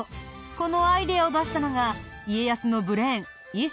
このアイデアを出したのが家康のブレーン以心